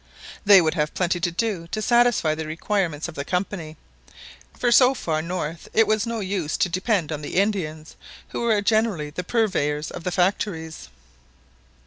They would have plenty to do to satisfy the requirements of the Company, for so far north it was of no use to depend on the Indians, who are generally the purveyors of the factories.